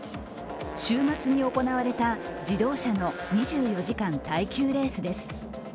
週末に行われた自動車の２４時間耐久レースです。